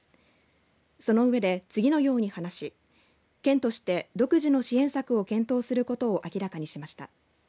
その上で、次のように話し県として独自の支援策を検討することを明らかにしました。